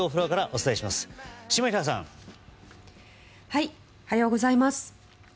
おはようございます。